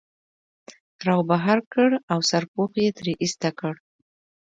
را وبهر کړ او سرپوښ یې ترې ایسته کړ.